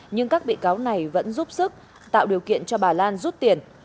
nhưng các bị cáo này vẫn giúp sức tạo điều kiện cho bà lan rút tiền